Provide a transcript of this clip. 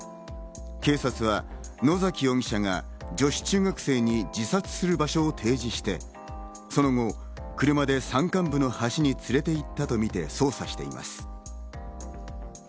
警察は野崎容疑者が女子中学生に自殺する場所を提示してその後、車で山間部の橋に連れて行ったとみて捜査しています。